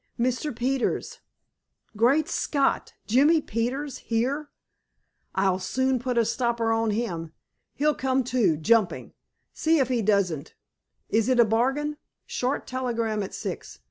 "Mr. Peters." "Great Scott! Jimmie Peters here? I'll soon put a stopper on him. He'll come, too—jumping. See if he doesn't. Is it a bargain? Short telegram at six.